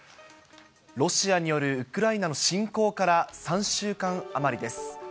ロシアによるウクライナの侵攻から３週間余りです。